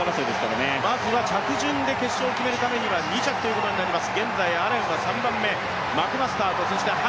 まずは着順で決勝を決めるためには２着ということになります。